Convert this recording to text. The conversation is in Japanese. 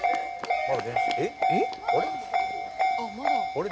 あれ？